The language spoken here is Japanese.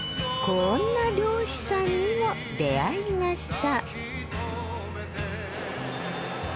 こんな漁師さんにも出会いました